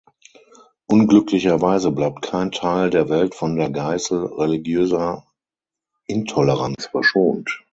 Unglücklicherweise bleibt kein Teil der Welt von der Geißel religiöser Intoleranz verschont.